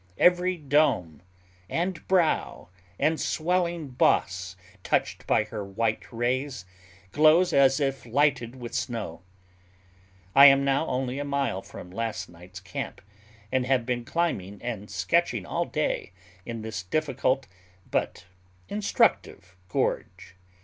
Every dome, and brow, and swelling boss touched by her white rays, glows as if lighted with snow. I am now only a mile from last night's camp; and have been climbing and sketching all day in this difficult but instructive gorge.